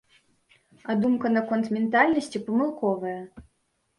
А думка наконт ментальнасці памылковая!